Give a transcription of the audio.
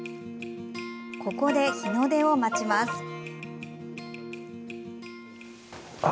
ここで日の出を待ちます。